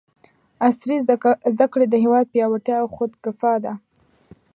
عصري زده کړې د هېواد پیاوړتیا او خودکفاء ده!